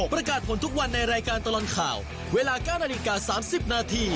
ประกาศผลทุกวันในรายการตลอดข่าวเวลา๙นาฬิกา๓๐นาที